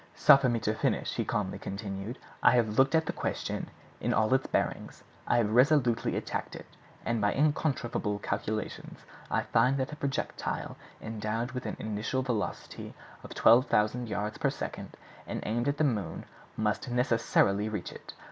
"Suffer me to finish," he calmly continued. "I have looked at the question in all its bearings, I have resolutely attacked it, and by incontrovertible calculations I find that a projectile endowed with an initial velocity of 12,000 yards per second, and aimed at the moon, must necessarily reach it.